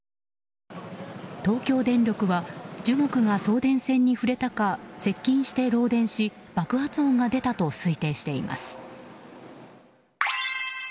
東京電力は樹木が送電線に触れたかして爆発音が出たと推定しています。